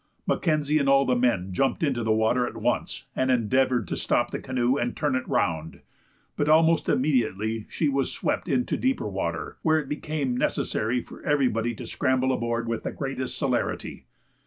Mackenzie and all the men jumped into the water at once, and endeavored to stop the canoe and turn it round. But almost immediately she was swept into deeper water, where it became necessary for everybody to scramble aboard with the greatest celerity.